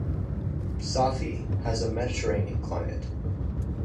Safi has a Mediterranean climate.